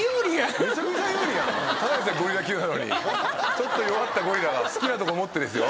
ちょっと弱ったゴリラが好きなとこ持ってですよ？